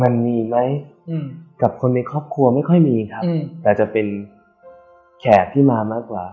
มันมีไหมกับคนในครอบครัวไม่ค่อยมีครับแต่จะเป็นแขกที่มามากกว่า